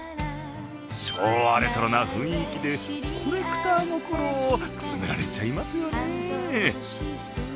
昭和レトロな雰囲気でコレクター心をくすぐられちゃいますよね。